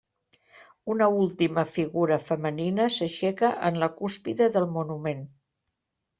Una última figura femenina s'aixeca en la cúspide del monument.